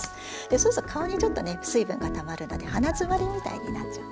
そうすると顔にちょっとね水分がたまるので鼻詰まりみたいになっちゃうんですね。